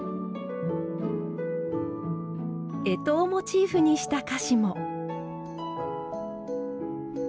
干支をモチーフにした菓子も。